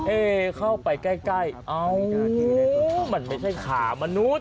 เอ๊เข้าไปใกล้มันไม่ใช่ขามนุษย์